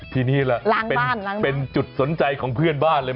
ทีนี้ล่ะเป็นจุดสนใจของเพื่อนบ้านเลย